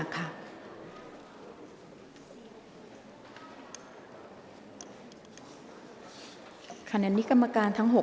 กรรมการท่านที่สี่ได้แก่กรรมการใหม่เลขเก้า